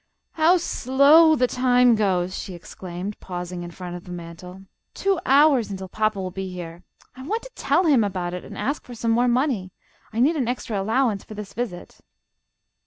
"How slow the time goes," she exclaimed, pausing in front of the mantel. "Two hours until papa will be here. I want to tell him about it, and ask for some more money. I need an extra allowance for this visit."